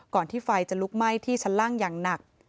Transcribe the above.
ที่ไฟจะลุกไหม้ที่ชั้นล่างอย่างหนัก